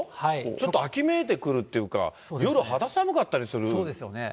ちょっと秋めいてくるっていうか、夜、肌寒かったりするそうですよね。